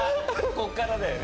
こっからだよね。